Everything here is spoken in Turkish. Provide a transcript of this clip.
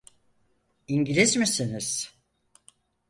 İngiliz misiniz?